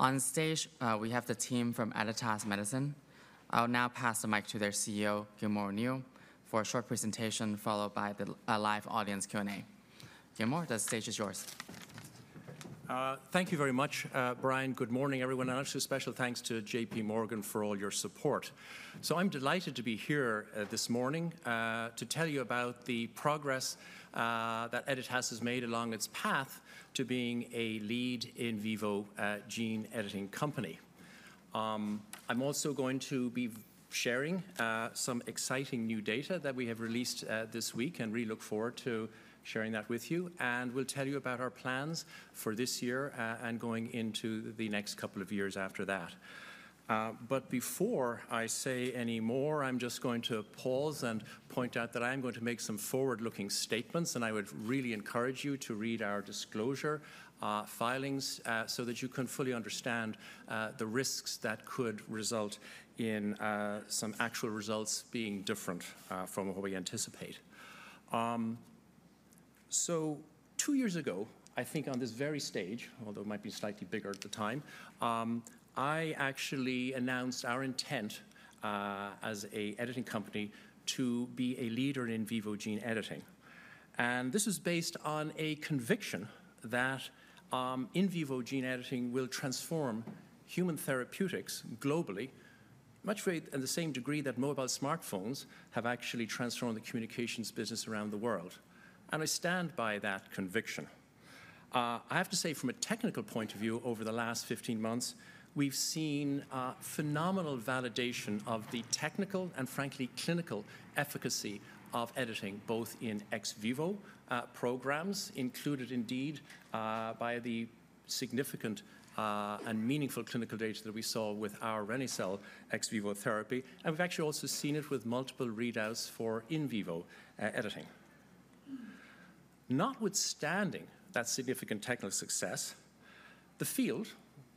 On stage, we have the team from Editas Medicine. I'll now pass the mic to their CEO, Gilmore O'Neill, for a short presentation followed by a live audience Q&A. Gilmore, the stage is yours. Thank you very much, Brian. Good morning, everyone. And also special thanks to J.P. Morgan for all your support. So I'm delighted to be here this morning to tell you about the progress that Editas has made along its path to being a lead in vivo gene editing company. I'm also going to be sharing some exciting new data that we have released this week and really look forward to sharing that with you. And we'll tell you about our plans for this year and going into the next couple of years after that. But before I say any more, I'm just going to pause and point out that I am going to make some forward-looking statements. And I would really encourage you to read our disclosure filings so that you can fully understand the risks that could result in some actual results being different from what we anticipate. Two years ago, I think on this very stage, although it might be slightly bigger at the time, I actually announced our intent as an editing company to be a leader in in vivo gene editing. This is based on a conviction that in vivo gene editing will transform human therapeutics globally, much to the same degree that mobile smartphones have actually transformed the communications business around the world. I stand by that conviction. I have to say, from a technical point of view, over the last 15 months, we've seen phenomenal validation of the technical and, frankly, clinical efficacy of editing, both in ex vivo programs included indeed by the significant and meaningful clinical data that we saw with our reni-cel ex vivo therapy. We've actually also seen it with multiple readouts for in vivo editing. Notwithstanding that significant technical success, the field,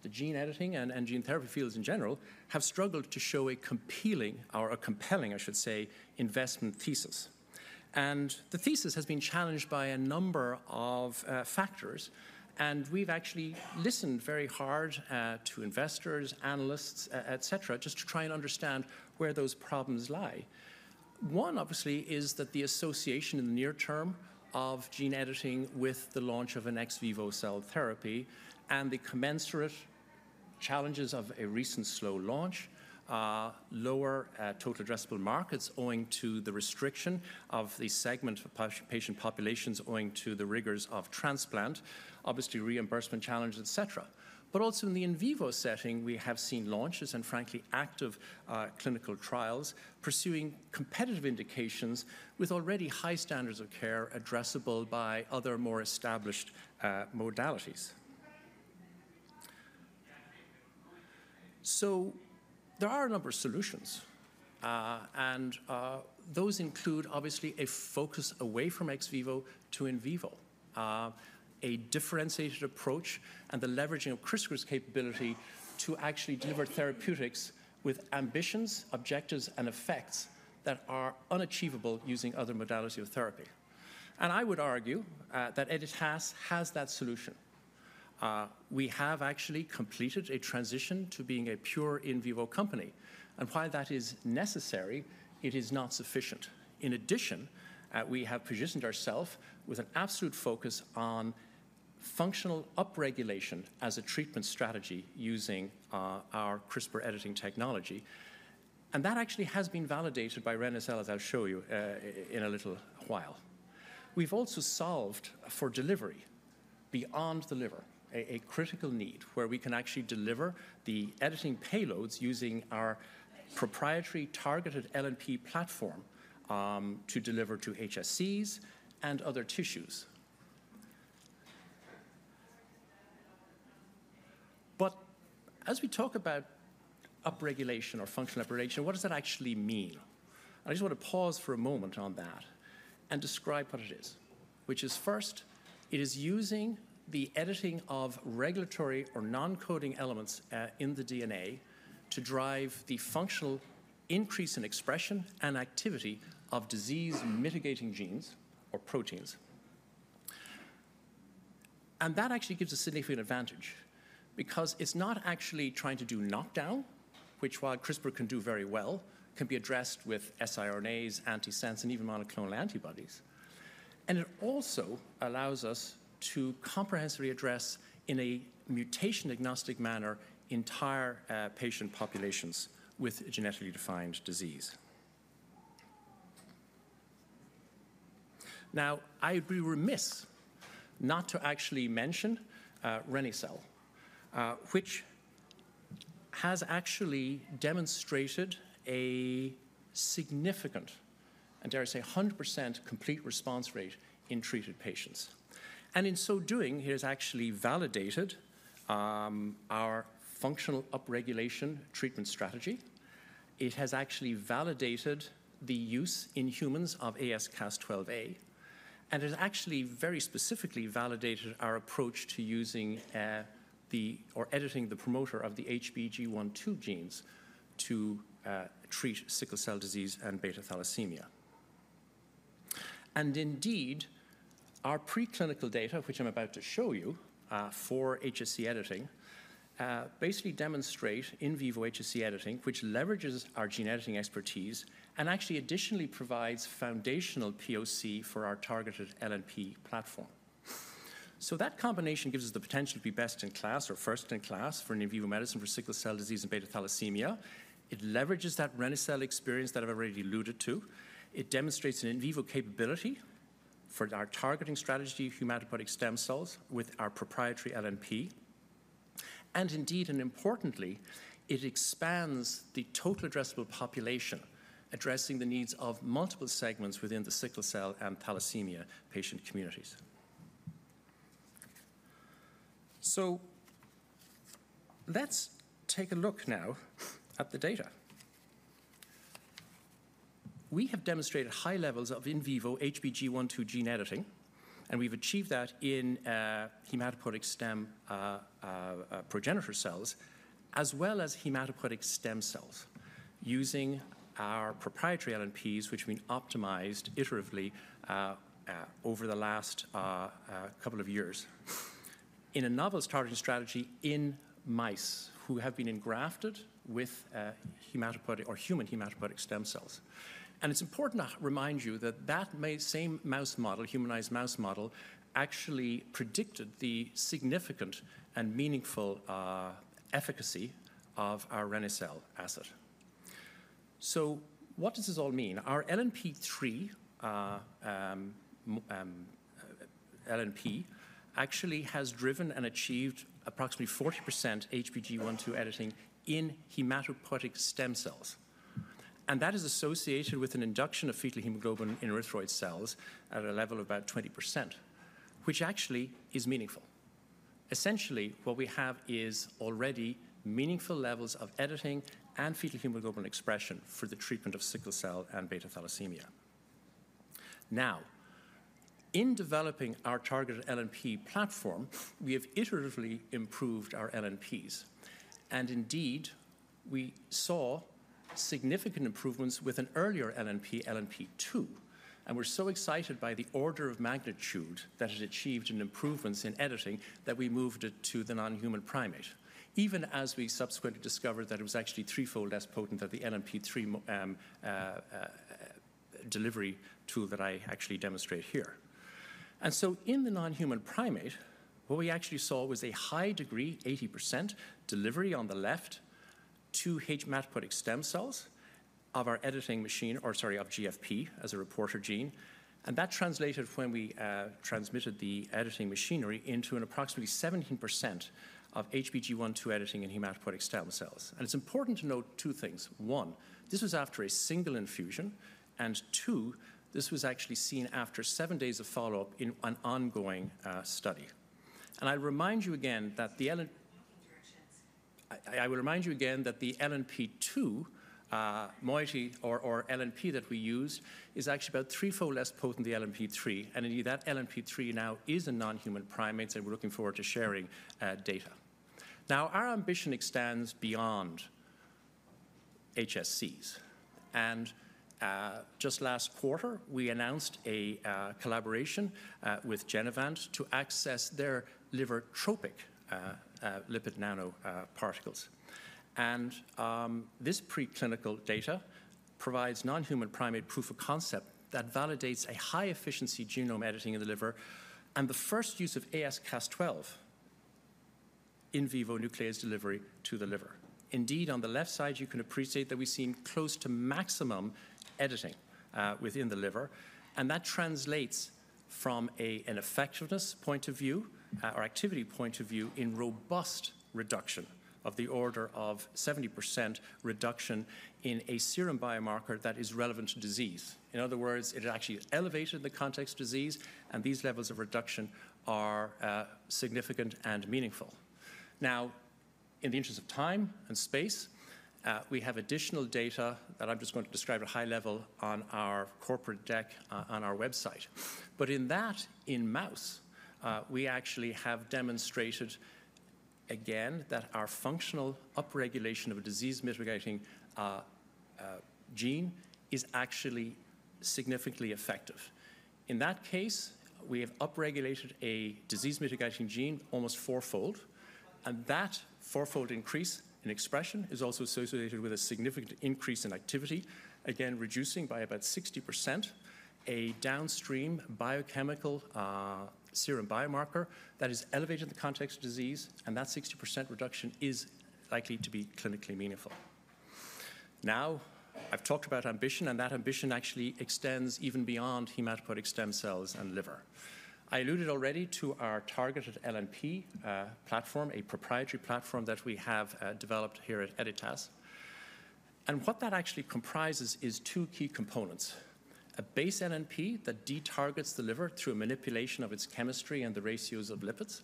the gene editing and gene therapy fields in general, have struggled to show a compelling, I should say, investment thesis. And the thesis has been challenged by a number of factors. And we've actually listened very hard to investors, analysts, et cetera, just to try and understand where those problems lie. One, obviously, is that the association in the near term of gene editing with the launch of an ex vivo cell therapy and the commensurate challenges of a recent slow launch, lower total addressable markets owing to the restriction of the segment of patient populations owing to the rigors of transplant, obviously reimbursement challenges, et cetera. But also in the in vivo setting, we have seen launches and, frankly, active clinical trials pursuing competitive indications with already high standards of care addressable by other more established modalities. There are a number of solutions. Those include, obviously, a focus away from ex vivo to in vivo, a differentiated approach, and the leveraging of CRISPR's capability to actually deliver therapeutics with ambitions, objectives, and effects that are unachievable using other modalities of therapy. I would argue that Editas has that solution. We have actually completed a transition to being a pure in vivo company. While that is necessary, it is not sufficient. In addition, we have positioned ourselves with an absolute focus on functional upregulation as a treatment strategy using our CRISPR editing technology. That actually has been validated by reni-cel, as I'll show you in a little while. We've also solved for delivery beyond the liver, a critical need where we can actually deliver the editing payloads using our proprietary targeted LNP platform to deliver to HSCs and other tissues. But as we talk about upregulation or functional upregulation, what does that actually mean? I just want to pause for a moment on that and describe what it is, which is first, it is using the editing of regulatory or non-coding elements in the DNA to drive the functional increase in expression and activity of disease-mitigating genes or proteins. And that actually gives a significant advantage because it's not actually trying to do knockdown, which, while CRISPR can do very well, can be addressed with siRNAs, antisense, and even monoclonal antibodies. And it also allows us to comprehensively address, in a mutation-agnostic manner, entire patient populations with genetically defined disease. Now, I would be remiss not to actually mention reni-cel, which has actually demonstrated a significant, and dare I say, 100% complete response rate in treated patients. And in so doing, it has actually validated our functional upregulation treatment strategy. It has actually validated the use in humans of AsCas12a. It has actually very specifically validated our approach to using or editing the promoter of the HBG1/2 genes to treat sickle cell disease and beta thalassemia. Indeed, our preclinical data, which I'm about to show you for HSC editing, basically demonstrates in vivo HSC editing, which leverages our gene editing expertise and actually additionally provides foundational POC for our targeted LNP platform. That combination gives us the potential to be best in class or first in class for in vivo medicine for sickle cell disease and beta thalassemia. It leverages that reni-cel experience that I've already alluded to. It demonstrates an in vivo capability for our targeting strategy of hematopoietic stem cells with our proprietary LNP. Indeed, and importantly, it expands the total addressable population, addressing the needs of multiple segments within the sickle cell and thalassemia patient communities. So let's take a look now at the data. We have demonstrated high levels of in vivo HBG1/2 gene editing. And we've achieved that in hematopoietic stem and progenitor cells as well as hematopoietic stem cells using our proprietary LNPs, which have been optimized iteratively over the last couple of years in a novel targeting strategy in mice who have been engrafted with human hematopoietic stem cells. And it's important to remind you that that same mouse model, humanized mouse model, actually predicted the significant and meaningful efficacy of our reni-cel asset. So what does this all mean? Our LNP3 LNP actually has driven and achieved approximately 40% HBG1/2 editing in hematopoietic stem cells. And that is associated with an induction of fetal hemoglobin in erythroid cells at a level of about 20%, which actually is meaningful. Essentially, what we have is already meaningful levels of editing and fetal hemoglobin expression for the treatment of sickle cell and beta thalassemia. Now, in developing our targeted LNP platform, we have iteratively improved our LNPs. And indeed, we saw significant improvements with an earlier LNP, LNP2. And we're so excited by the order of magnitude that it achieved in improvements in editing that we moved it to the non-human primate, even as we subsequently discovered that it was actually threefold less potent than the LNP3 delivery tool that I actually demonstrate here. And so in the non-human primate, what we actually saw was a high degree, 80% delivery on the left to hematopoietic stem cells of our editing machine or, sorry, of GFP as a reporter gene. And that translated when we transmitted the editing machinery into an approximately 17% of HBG1/2 editing in hematopoietic stem cells. And it's important to note two things. One, this was after a single infusion. And two, this was actually seen after seven days of follow-up in an ongoing study. And I remind you again that the LNP2 moiety or LNP that we used is actually about threefold less potent than the LNP3. And indeed, that LNP3 now is in a non-human primate, and we're looking forward to sharing data. Now, our ambition extends beyond HSCs. And just last quarter, we announced a collaboration with Genevant to access their liver-tropic lipid nanoparticles. This preclinical data provides non-human primate proof of concept that validates a high-efficiency genome editing in the liver and the first use of AsCas12a in vivo nuclease delivery to the liver. Indeed, on the left side, you can appreciate that we've seen close to maximum editing within the liver. That translates from an effectiveness point of view or activity point of view in robust reduction of the order of 70% reduction in a serum biomarker that is relevant to disease. In other words, it actually elevated the context of disease. These levels of reduction are significant and meaningful. Now, in the interest of time and space, we have additional data that I'm just going to describe at a high level on our corporate deck on our website. But in that, in mouse, we actually have demonstrated again that our functional upregulation of a disease mitigating gene is actually significantly effective. In that case, we have upregulated a disease mitigating gene almost fourfold. And that fourfold increase in expression is also associated with a significant increase in activity, again, reducing by about 60% a downstream biochemical serum biomarker that is elevated in the context of disease. And that 60% reduction is likely to be clinically meaningful. Now, I've talked about ambition. And that ambition actually extends even beyond hematopoietic stem cells and liver. I alluded already to our targeted LNP platform, a proprietary platform that we have developed here at Editas. And what that actually comprises is two key components: a base LNP that detargets the liver through a manipulation of its chemistry and the ratios of lipids,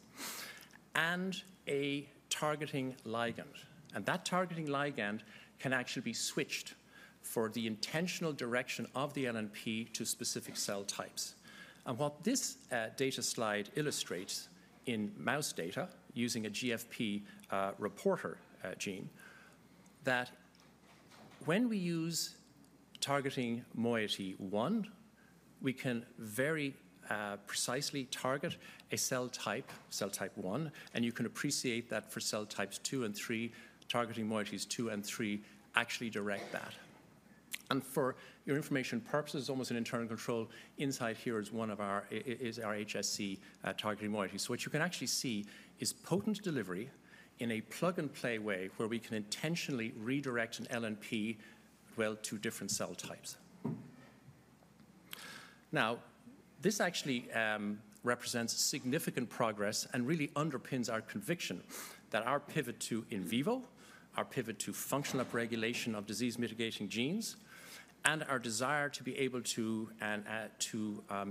and a targeting ligand. That targeting ligand can actually be switched for the intentional direction of the LNP to specific cell types. What this data slide illustrates in mouse data using a GFP reporter gene is that when we use targeting moiety one, we can very precisely target a cell type, cell type one. You can appreciate that for cell types two and three, targeting moieties two and three actually direct that. For your information purposes, almost an internal control inside here is our HSC targeting moiety. What you can actually see is potent delivery in a plug-and-play way where we can intentionally redirect an LNP well to different cell types. Now, this actually represents significant progress and really underpins our conviction that our pivot to in vivo, our pivot to functional upregulation of disease mitigating genes, and our desire to be able to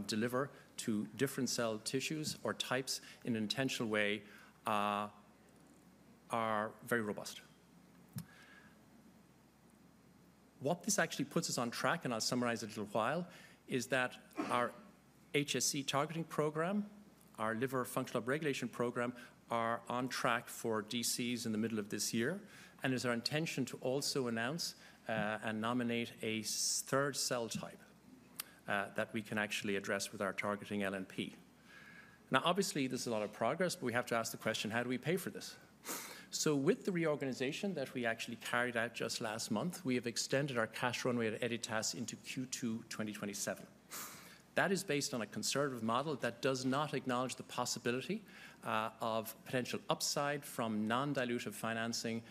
deliver to different cell tissues or types in an intentional way are very robust. What this actually puts us on track, and I'll summarize it in a little while, is that our HSC targeting program, our liver functional upregulation program, are on track for INDs in the middle of this year. And it's our intention to also announce and nominate a third cell type that we can actually address with our targeting LNP. Now, obviously, this is a lot of progress, but we have to ask the question, how do we pay for this? So with the reorganization that we actually carried out just last month, we have extended our cash runway at Editas into Q2 2027. That is based on a conservative model that does not acknowledge the possibility of potential upside from non-dilutive financing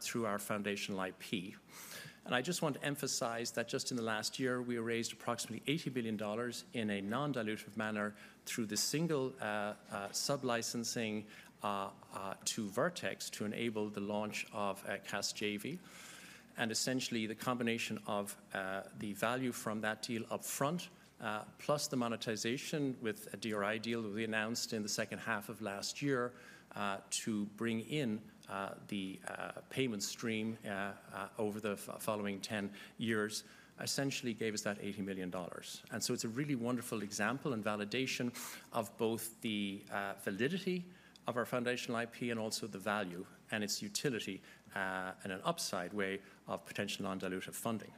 through our foundational IP. I just want to emphasize that just in the last year, we raised approximately $80 million in a non-dilutive manner through the single sublicensing to Vertex to enable the launch of Casgevy. Essentially, the combination of the value from that deal upfront, plus the monetization with a DRI deal that we announced in the second half of last year to bring in the payment stream over the following 10 years essentially gave us that $80 million. It's a really wonderful example and validation of both the validity of our foundational IP and also the value and its utility and an upside way of potential non-dilutive funding.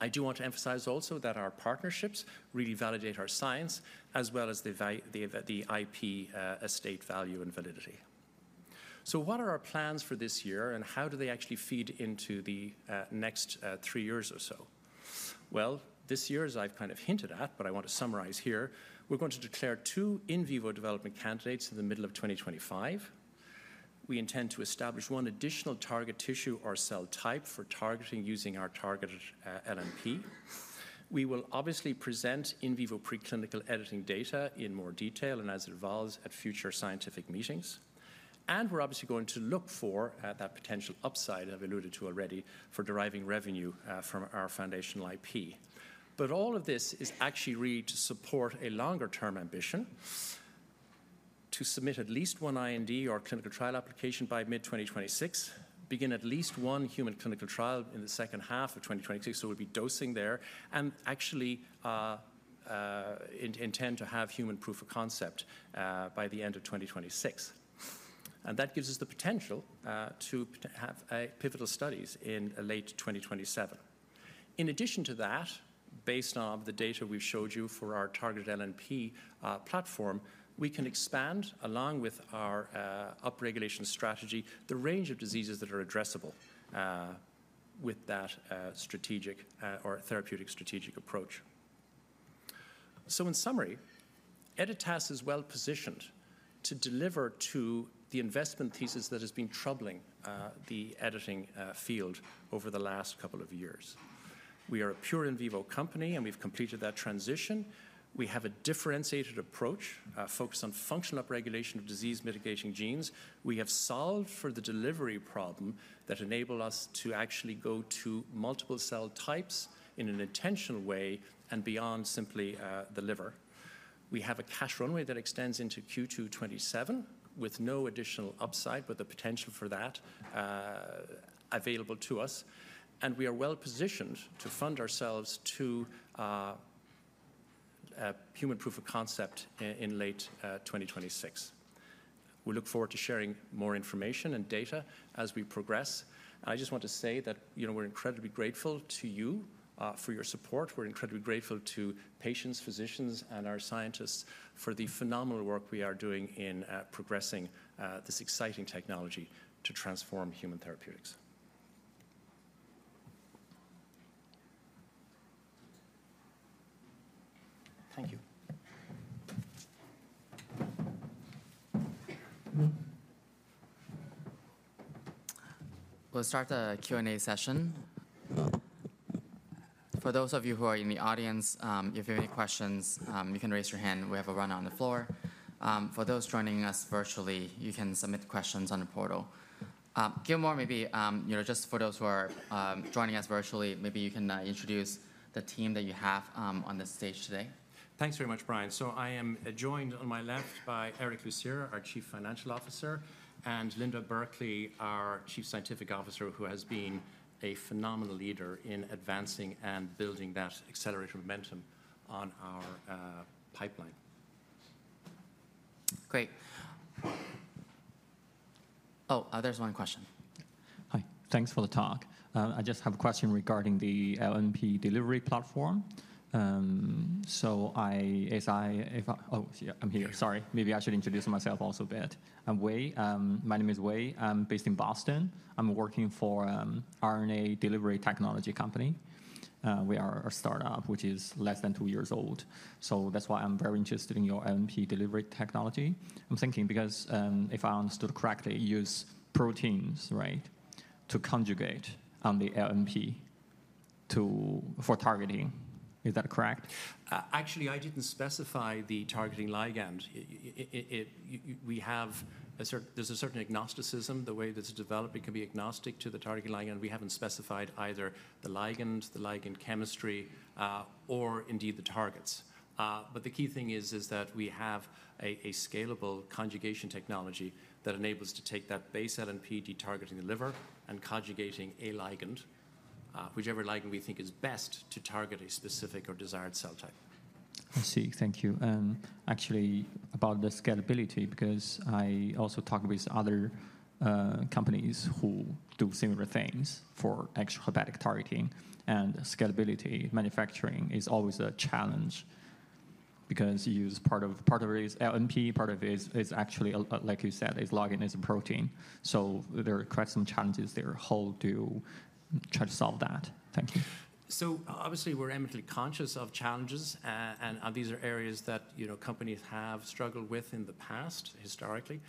I do want to emphasize also that our partnerships really validate our science as well as the IP estate value and validity. What are our plans for this year, and how do they actually feed into the next three years or so? This year, as I've kind of hinted at, but I want to summarize here, we're going to declare two in vivo development candidates in the middle of 2025. We intend to establish one additional target tissue or cell type for targeting using our targeted LNP. We will obviously present in vivo preclinical editing data in more detail and as it evolves at future scientific meetings. We're obviously going to look for that potential upside I've alluded to already for deriving revenue from our foundational IP. But all of this is actually really to support a longer-term ambition to submit at least one IND or clinical trial application by mid-2026, begin at least one human clinical trial in the second half of 2026. So we'll be dosing there and actually intend to have human proof of concept by the end of 2026. And that gives us the potential to have pivotal studies in late 2027. In addition to that, based on the data we've showed you for our targeted LNP platform, we can expand, along with our upregulation strategy, the range of diseases that are addressable with that strategic or therapeutic strategic approach. So in summary, Editas is well positioned to deliver to the investment thesis that has been troubling the editing field over the last couple of years. We are a pure in vivo company, and we've completed that transition. We have a differentiated approach focused on functional upregulation of disease mitigating genes. We have solved for the delivery problem that enables us to actually go to multiple cell types in an intentional way and beyond simply the liver. We have a cash runway that extends into Q2 2027 with no additional upside, but the potential for that available to us. And we are well positioned to fund ourselves to human proof of concept in late 2026. We look forward to sharing more information and data as we progress. And I just want to say that we're incredibly grateful to you for your support. We're incredibly grateful to patients, physicians, and our scientists for the phenomenal work we are doing in progressing this exciting technology to transform human therapeutics. Thank you. We'll start the Q&A session. For those of you who are in the audience, if you have any questions, you can raise your hand. We have a runner on the floor. For those joining us virtually, you can submit questions on the portal. Gilmore, maybe just for those who are joining us virtually, maybe you can introduce the team that you have on the stage today. Thanks very much, Brian. So I am joined on my left by Erick Lucera, our Chief Financial Officer, and Linda Burkly, our Chief Scientific Officer, who has been a phenomenal leader in advancing and building that accelerator momentum on our pipeline. Great. Oh, there's one question. Hi. Thanks for the talk. I just have a question regarding the LNP delivery platform. So as I--oh, I'm here. Sorry. Maybe I should introduce myself also a bit. I'm Way. My name is Way. I'm based in Boston. I'm working for an RNA delivery technology company. We are a startup, which is less than two years old. So that's why I'm very interested in your LNP delivery technology. I'm thinking because if I understood correctly, you use proteins, right, to conjugate on the LNP for targeting. Is that correct? Actually, I didn't specify the targeting ligand. There's a certain agnosticism. The way this is developed, it can be agnostic to the targeting ligand. We haven't specified either the ligand, the ligand chemistry, or indeed the targets. But the key thing is that we have a scalable conjugation technology that enables us to take that base LNP detargeting the liver and conjugating a ligand, whichever ligand we think is best to target a specific or desired cell type. I see. Thank you. Actually, about the scalability, because I also talk with other companies who do similar things for extrahepatic targeting. And scalability manufacturing is always a challenge because part of it is LNP. Part of it is actually, like you said, a ligand is a protein. So there are quite some challenges there to try to solve that. Thank you. So obviously, we're eminently conscious of challenges. And these are areas that companies have struggled with in the past, historically.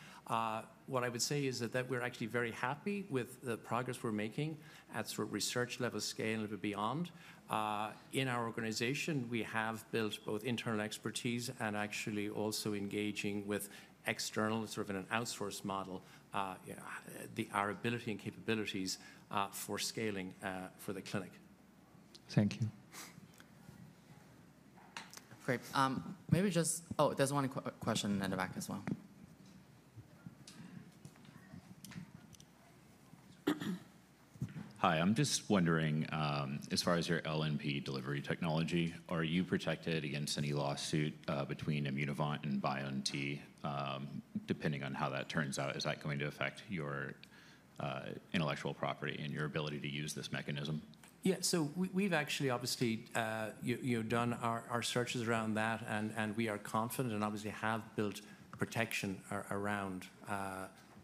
What I would say is that we're actually very happy with the progress we're making at sort of research level scale and beyond. In our organization, we have built both internal expertise and actually also engaging with external sort of an outsourced model, our ability and capabilities for scaling for the clinic. Thank you. Great. Maybe just--oh, there's one question in the back as well. Hi. I'm just wondering, as far as your LNP delivery technology, are you protected against any lawsuit between Immunovant and BioNTech, depending on how that turns out? Is that going to affect your intellectual property and your ability to use this mechanism? Yeah. So we've actually, obviously, done our searches around that. And we are confident and obviously have built protection around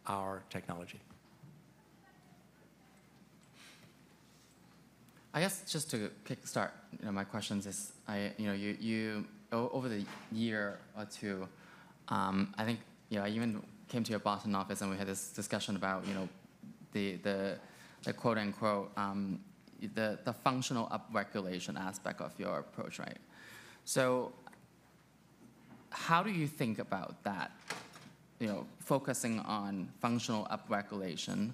our technology. I guess just to kickstart my questions is, over the year or two, I think I even came to your Boston office, and we had this discussion about the quote unquote "functional upregulation" aspect of your approach, right? So how do you think about that, focusing on functional upregulation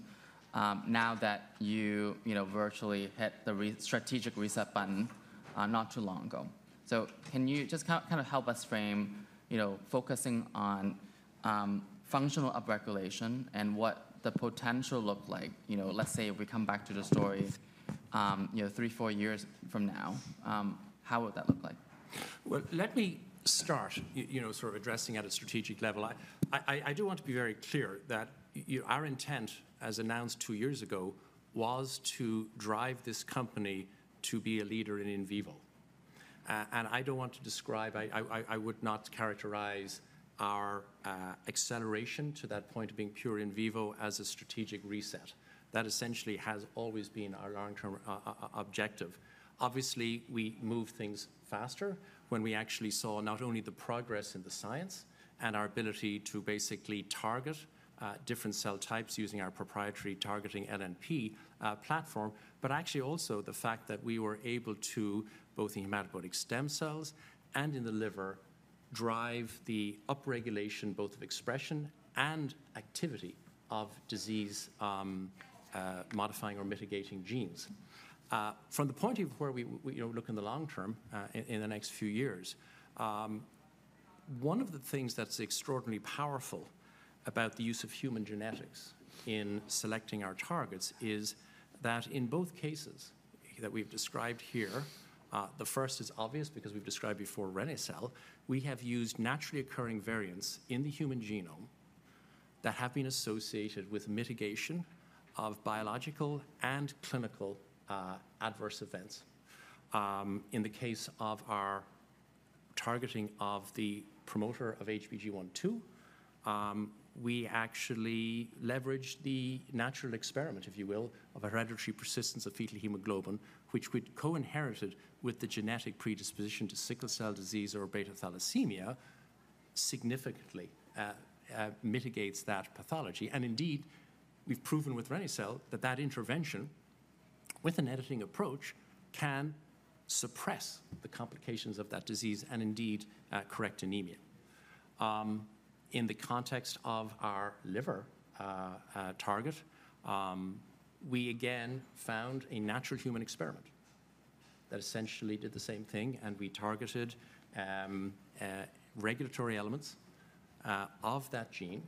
now that you virtually hit the strategic reset button not too long ago? So can you just kind of help us frame focusing on functional upregulation and what the potential looks like? Let's say if we come back to the story three, four years from now, how would that look like? Well, let me start sort of addressing at a strategic level. I do want to be very clear that our intent, as announced two years ago, was to drive this company to be a leader in in vivo. And I don't want to describe. I would not characterize our acceleration to that point of being pure in vivo as a strategic reset. That essentially has always been our long-term objective. Obviously, we move things faster when we actually saw not only the progress in the science and our ability to basically target different cell types using our proprietary targeting LNP platform, but actually also the fact that we were able to, both in hematopoietic stem cells and in the liver, drive the upregulation both of expression and activity of disease-modifying or mitigating genes. From the point of view where we look in the long term, in the next few years, one of the things that's extraordinarily powerful about the use of human genetics in selecting our targets is that in both cases that we've described here, the first is obvious because we've described before reni-cel, we have used naturally occurring variants in the human genome that have been associated with mitigation of biological and clinical adverse events In the case of our targeting of the promoter of HBG1/2, we actually leveraged the natural experiment, if you will, of hereditary persistence of fetal hemoglobin, which we co-inherited with the genetic predisposition to sickle cell disease or beta thalassemia significantly mitigates that pathology. Indeed, we've proven with reni-cel that that intervention with an editing approach can suppress the complications of that disease and indeed correct anemia. In the context of our liver target, we again found a natural human experiment that essentially did the same thing. We targeted regulatory elements of that gene,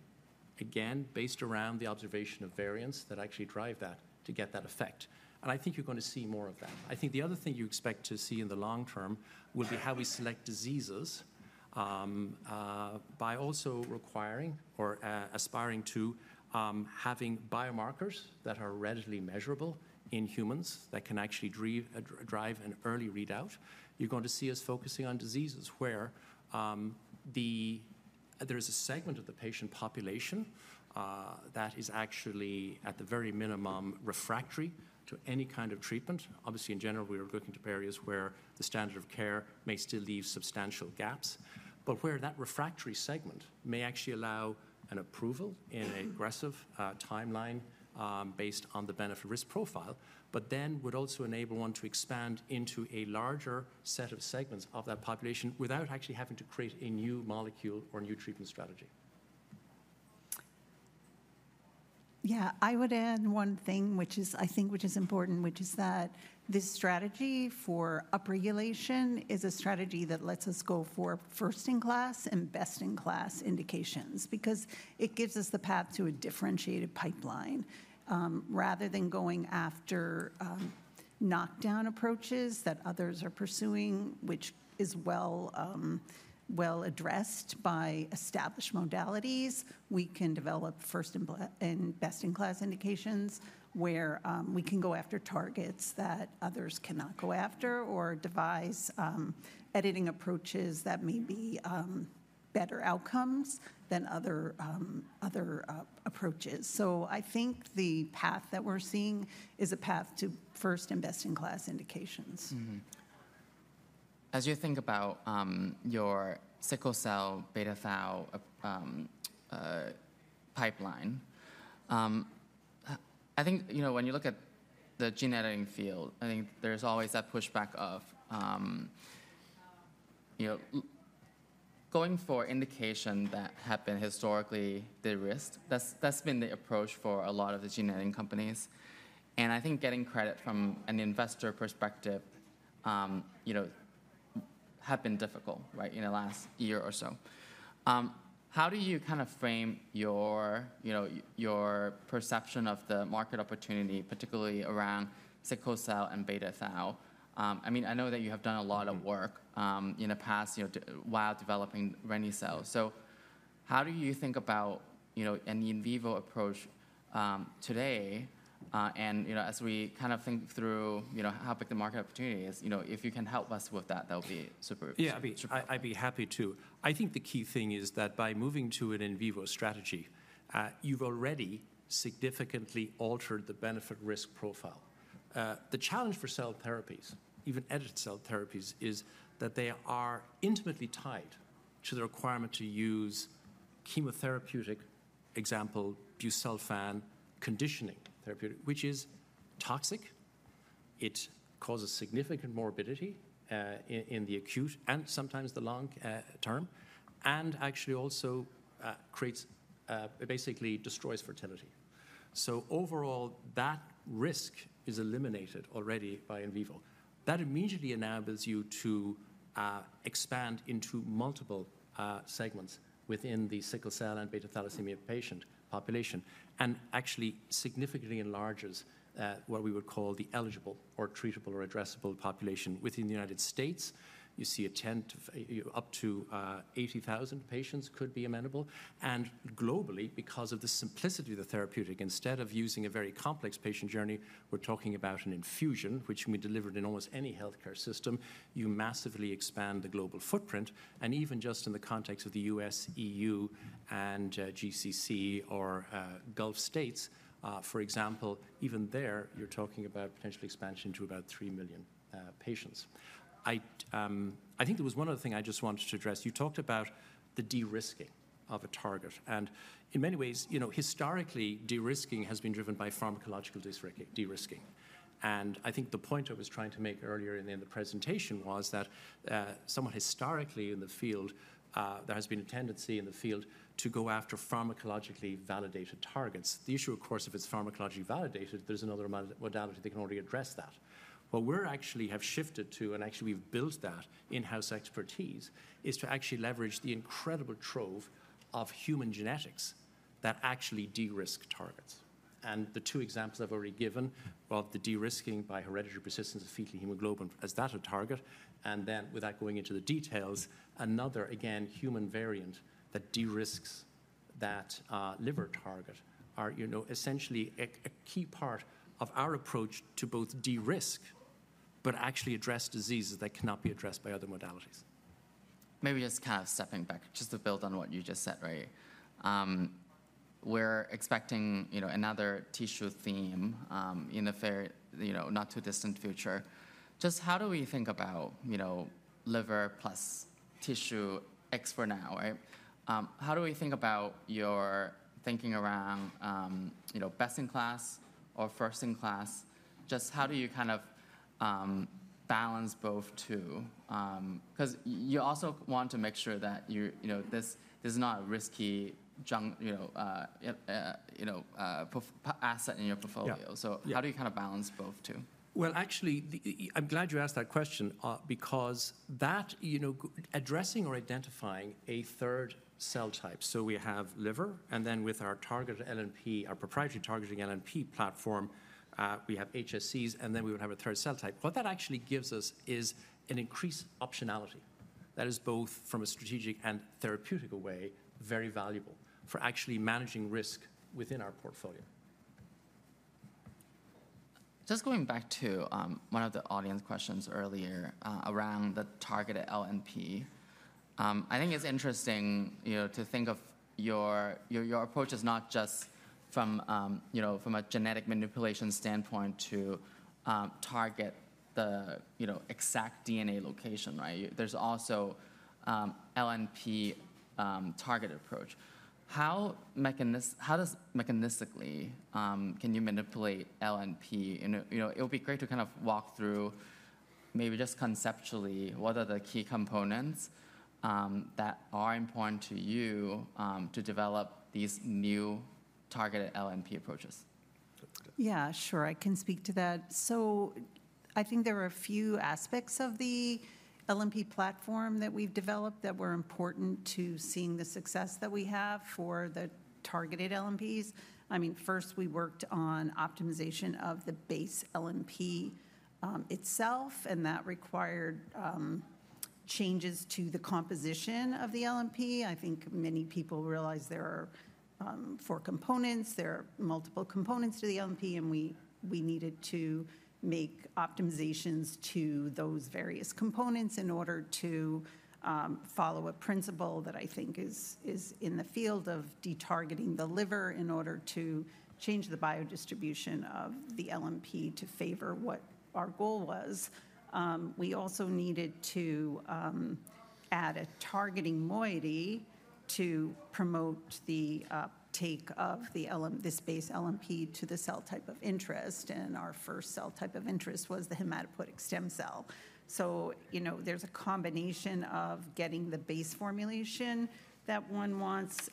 again, based around the observation of variants that actually drive that to get that effect. I think you're going to see more of that. I think the other thing you expect to see in the long term will be how we select diseases by also requiring or aspiring to having biomarkers that are readily measurable in humans that can actually drive an early readout. You're going to see us focusing on diseases where there is a segment of the patient population that is actually, at the very minimum, refractory to any kind of treatment. Obviously, in general, we are looking to areas where the standard of care may still leave substantial gaps, but where that refractory segment may actually allow an approval in an aggressive timeline based on the benefit-risk profile, but then would also enable one to expand into a larger set of segments of that population without actually having to create a new molecule or new treatment strategy. Yeah. I would add one thing, which is, I think, which is important, which is that this strategy for upregulation is a strategy that lets us go for first-in-class and best-in-class indications because it gives us the path to a differentiated pipeline. Rather than going after knockdown approaches that others are pursuing, which is well addressed by established modalities, we can develop first-in-class and best-in-class indications where we can go after targets that others cannot go after or devise editing approaches that may be better outcomes than other approaches. So I think the path that we're seeing is a path to first-in-class and best-in-class indications. As you think about your sickle cell beta thalassemia pipeline, I think when you look at the gene editing field, I think there's always that pushback of going for indication that have been historically the risk. That's been the approach for a lot of the gene editing companies, and I think getting credit from an investor perspective has been difficult, right, in the last year or so. How do you kind of frame your perception of the market opportunity, particularly around sickle cell and beta thalassemia? I mean, I know that you have done a lot of work in the past while developing reni-cel, so how do you think about an in vivo approach today, and as we kind of think through how big the market opportunity is, if you can help us with that, that would be super. Yeah. I'd be happy to. I think the key thing is that by moving to an in vivo strategy, you've already significantly altered the benefit-risk profile. The challenge for cell therapies, even edit cell therapies, is that they are intimately tied to the requirement to use chemotherapeutic, example, busulfan conditioning therapeutic, which is toxic. It causes significant morbidity in the acute and sometimes the long term, and actually also creates, basically destroys fertility. So overall, that risk is eliminated already by in vivo. That immediately enables you to expand into multiple segments within the sickle cell and beta thalassemia patient population and actually significantly enlarges what we would call the eligible or treatable or addressable population within the United States. You see a tenth of up to 80,000 patients could be amenable. And globally, because of the simplicity of the therapeutic, instead of using a very complex patient journey, we're talking about an infusion, which can be delivered in almost any healthcare system, you massively expand the global footprint. And even just in the context of the U.S., E.U., and GCC or Gulf states, for example, even there, you're talking about potential expansion to about three million patients. I think there was one other thing I just wanted to address. You talked about the de-risking of a target. And in many ways, historically, de-risking has been driven by pharmacological de-risking. And I think the point I was trying to make earlier in the presentation was that somewhat historically in the field, there has been a tendency in the field to go after pharmacologically validated targets. The issue, of course, if it's pharmacologically validated, there's another modality that can already address that. What we actually have shifted to, and actually we've built that in-house expertise, is to actually leverage the incredible trove of human genetics that actually de-risk targets. And the two examples I've already given about the de-risking by hereditary persistence of fetal hemoglobin as that as a target. And then without going into the details, another, again, human variant that de-risks that liver target are essentially a key part of our approach to both de-risk, but actually address diseases that cannot be addressed by other modalities. Maybe just kind of stepping back just to build on what you just said, right? We're expecting another tissue theme in the not-too-distant future. Just how do we think about liver plus tissue expert now, right? How do we think about your thinking around best-in-class or first-in-class? Just how do you kind of balance both too? Because you also want to make sure that this is not a risky asset in your portfolio. So how do you kind of balance both too? Well, actually, I'm glad you asked that question because that's addressing or identifying a third cell type. So we have liver. And then with our targeted LNP, our proprietary targeting LNP platform, we have HSCs. And then we would have a third cell type. What that actually gives us is an increased optionality that is both from a strategic and therapeutic way very valuable for actually managing risk within our portfolio. Just going back to one of the audience questions earlier around the targeted LNP, I think it's interesting to think of your approach as not just from a genetic manipulation standpoint to target the exact DNA location, right? There's also LNP targeting approach. How mechanistically can you manipulate LNP? It would be great to kind of walk through maybe just conceptually what are the key components that are important to you to develop these new targeted LNP approaches. Yeah, sure. I can speak to that. So I think there are a few aspects of the LNP platform that we've developed that were important to seeing the success that we have for the targeted LNPs. I mean, first, we worked on optimization of the base LNP itself. And that required changes to the composition of the LNP. I think many people realize there are four components. There are multiple components to the LNP. And we needed to make optimizations to those various components in order to follow a principle that I think is in the field of detargeting the liver in order to change the biodistribution of the LNP to favor what our goal was. We also needed to add a targeting moiety to promote the uptake of this base LNP to the cell type of interest. And our first cell type of interest was the hematopoietic stem cell. So there's a combination of getting the base formulation that one wants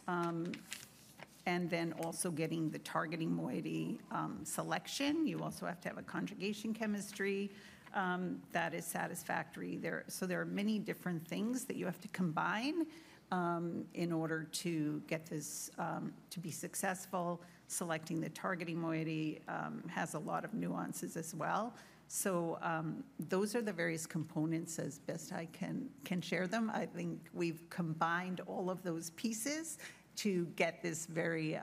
and then also getting the targeting moiety selection. You also have to have a conjugation chemistry that is satisfactory. So there are many different things that you have to combine in order to get this to be successful. Selecting the targeting moiety has a lot of nuances as well. So those are the various components, as best I can share them. I think we've combined all of those pieces to get this very,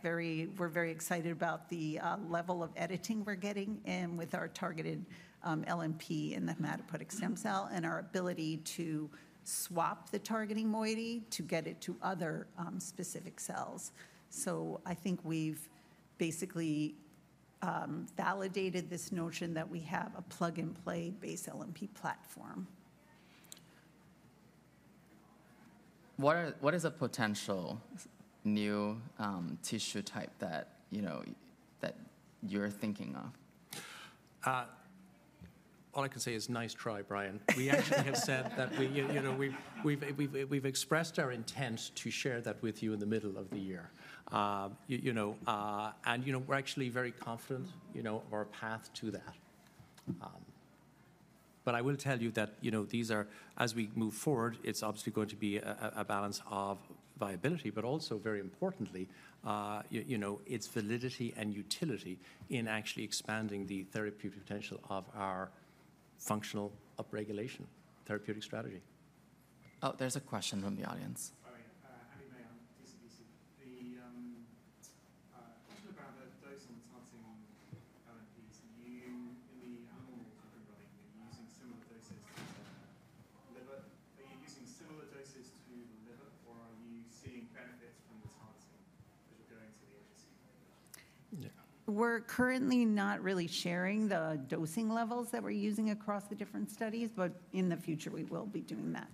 very, we're very excited about the level of editing we're getting in with our targeted LNP in the hematopoietic stem cell and our ability to swap the targeting moiety to get it to other specific cells. So I think we've basically validated this notion that we have a plug-and-play base LNP platform. What is a potential new tissue type that you're thinking of? All I can say is nice try, Brian. We actually have said that we've expressed our intent to share that with you in the middle of the year. And we're actually very confident of our path to that. But I will tell you that these are, as we move forward, it's obviously going to be a balance of viability, but also, very importantly, its validity and utility in actually expanding the therapeutic potential of our functional upregulation therapeutic strategy. Oh, there's a question from the audience. The question about the dose on the targeting LNPs, in the animal type embryo, you're using similar doses to the liver. Are you using similar doses to the liver, or are you seeing benefits from the targeting as you're going to the HSC? Yeah. We're currently not really sharing the dosing levels that we're using across the different studies, but in the future, we will be doing that.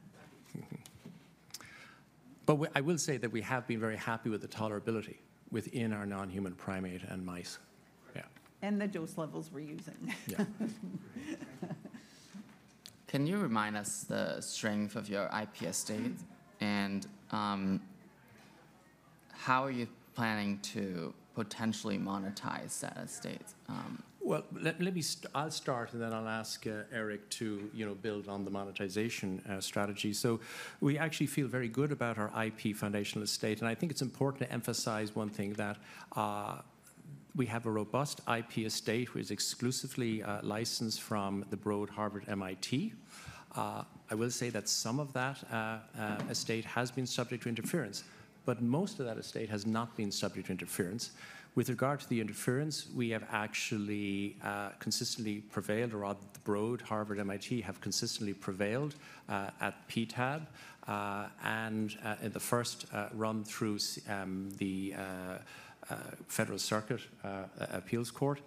But I will say that we have been very happy with the tolerability within our non-human primate and mice. Yeah. And the dose levels we're using. Yeah. Can you remind us the strength of your IP estate? And how are you planning to potentially monetize estate? Well, I'll start, and then I'll ask Erick to build on the monetization strategy. So we actually feel very good about our IP foundational estate. And I think it's important to emphasize one thing, that we have a robust IP estate which is exclusively licensed from the Broad Institute of MIT and Harvard. I will say that some of that estate has been subject to interference, but most of that estate has not been subject to interference. With regard to the interference, we have actually consistently prevailed, or rather, the Broad Harvard MIT have consistently prevailed at PTAB, and in the first run through the Federal Circuit Appeals Court,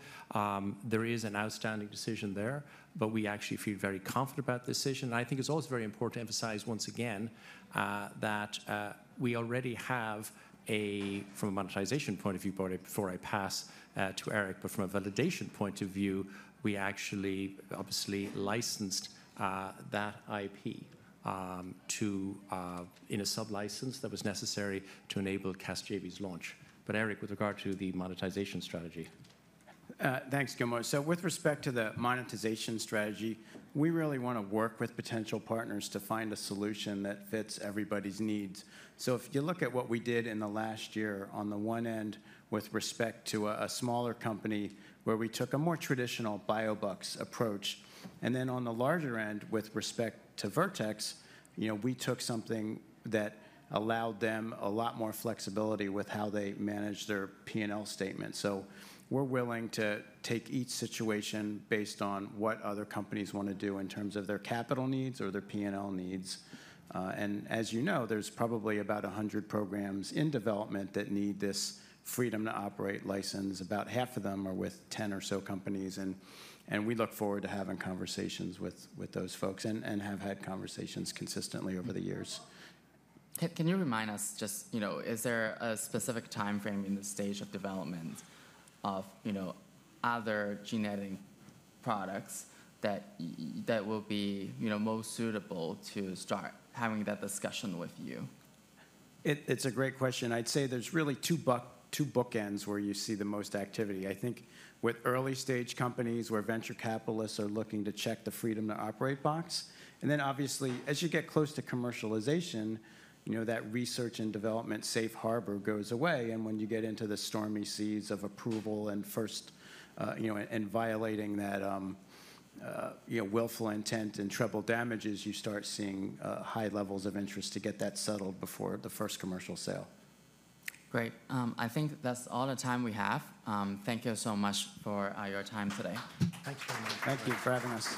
there is an outstanding decision there, but we actually feel very confident about the decision, and I think it's also very important to emphasize once again that we already have, from a monetization point of view, brought it before I pass to Erick, but from a validation point of view, we actually obviously licensed that IP in a sub-license that was necessary to enable Casgevy's launch, but Erick, with regard to the monetization strategy. Thanks, Gilmore, so with respect to the monetization strategy, we really want to work with potential partners to find a solution that fits everybody's needs. So if you look at what we did in the last year, on the one end with respect to a smaller company where we took a more traditional biobucks approach, and then on the larger end with respect to Vertex, we took something that allowed them a lot more flexibility with how they manage their P&L statements. So we're willing to take each situation based on what other companies want to do in terms of their capital needs or their P&L needs. And as you know, there's probably about 100 programs in development that need this freedom-to-operate license. About half of them are with 10 or so companies. And we look forward to having conversations with those folks and have had conversations consistently over the years. Can you remind us just, is there a specific time frame in the stage of development of other genetic products that will be most suitable to start having that discussion with you? It's a great question. I'd say there's really two bookends where you see the most activity. I think with early-stage companies where venture capitalists are looking to check the freedom-to-operate box, and then obviously, as you get close to commercialization, that research and development safe harbor goes away, and when you get into the stormy seas of approval and violating that willful intent and treble damages, you start seeing high levels of interest to get that settled before the first commercial sale. Great. I think that's all the time we have. Thank you so much for your time today. Thank you for having us.